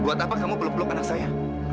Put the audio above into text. buat apa kamu belok belok anak saya